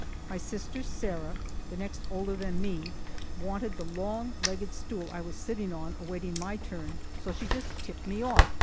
My sister Sarah, the next older than me, wanted the long legged stool I was sitting on awaiting my turn, so she just tipped me off.